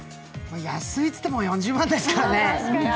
安いっていっても４０万円ですからね。